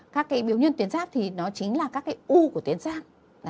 các cái biểu nhân tuyến giáp thì nó chính là các cái u của tuyến giáp